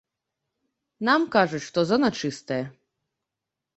Нам кажуць, што зона чыстая.